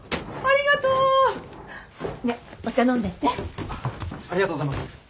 ありがとうございます。